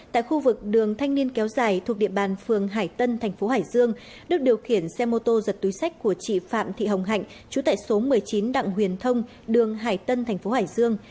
tại khu vực đường thanh niên kéo dài thuộc địa bàn phường hải tân tp hải dương được điều khiển xe mô tô giật túi sách của chị phạm thị hồng hạnh chú tải số một mươi chín đặng huyền thông đường hải tân tp hải dương